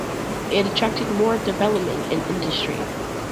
It attracted more development and industry.